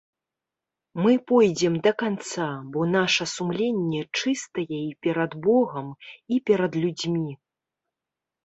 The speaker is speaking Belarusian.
Мы пойдзем да канца, бо наша сумленне чыстае і перад богам, і перад людзьмі.